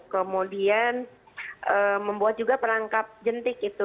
kemudian membuat juga perangkap jentik itu